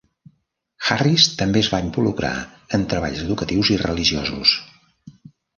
Harris també es va involucrar en treballs educatius i religiosos.